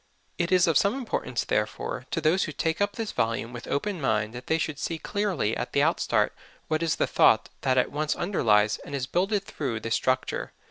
It is of some importance, therefore, to those who take up this volume with open mind that they should see clearly at the out start what is the thought that at once underlies and is builded through this structure.